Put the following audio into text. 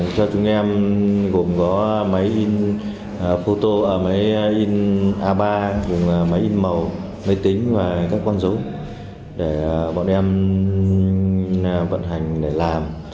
cho chúng em gồm có máy in a ba máy in màu máy tính và các con dấu để bọn em vận hành để làm